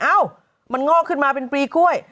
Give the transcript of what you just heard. เอ้ามันงอกขึ้นมาเป็นปลีกล้วย